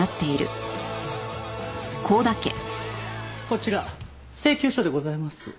こちら請求書でございます。